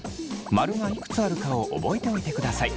○がいくつあるかを覚えておいてください。